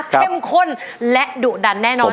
เข้มข้นและดุดันแน่นอน